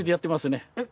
えっ！